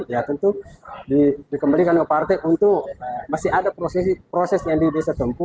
ya tentu dikembalikan ke partai untuk masih ada proses yang bisa ditempu